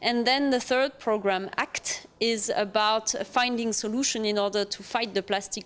kemudian program ketiga act berfokus pada mencari solusi untuk melawan polusi plastik